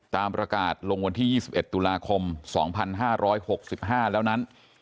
ตามประกาศลงวันที่๒๑ตุลาคม๒๕๖๕แล้วนั้น